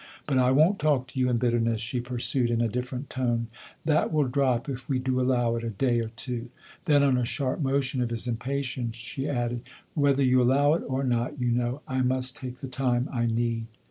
u But I won't talk to you in bitterness," she pursued in a different tone. " That will drop if we do allow it a day or two." Then on a sharp motion of his impatience she added :" Whether you allow it or not, you know, I must take the time I need."